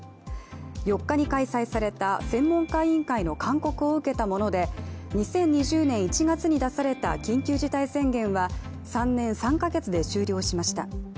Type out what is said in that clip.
４日に開催された専門家委員会の勧告を受けたもので２０２０年１月に出された緊急事態宣言は３年３か月で終了しました。